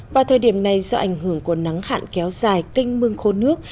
vào thời điểm này do ảnh hưởng của nắng hạn kéo dài kênh mương khô nước